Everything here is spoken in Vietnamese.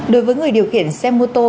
đối với người điều khiển xe mô tô